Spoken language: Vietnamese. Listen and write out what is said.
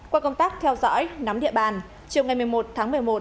qua công tác theo dõi nắm địa bàn chiều ngày một mươi một tháng một mươi một